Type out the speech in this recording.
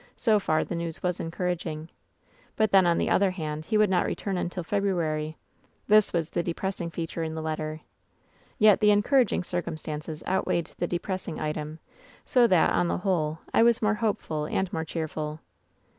So far the news was encouraging. "But, then, on the other hand, he would not return until February. This was the depressing feature in the letter. Yet the encouraging circumstances outweighed the depressing item, so that, on the whole, I was more hopeful and more cheerful.